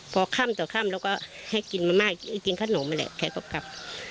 พ่อค่ำต่อค่ำแล้วก็ให้กินขนมแล้วแหละแค่ก็กลับ